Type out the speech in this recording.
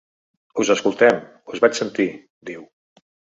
“Us escoltem, us vaig sentir”, diu.